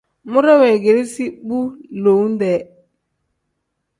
Muure weegeresi bu lowu-dee.